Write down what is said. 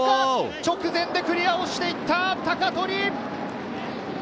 直前でクリアをしていった鷹取！